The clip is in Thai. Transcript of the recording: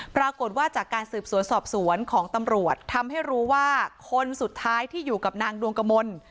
ปรากฏว่าจากการสืบสวนสอบสวนของตำรวจทำให้รู้ว่าคนสุดท้ายที่อยู่กับนางดวงกมล